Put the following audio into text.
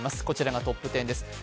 こちらがトップ１０です。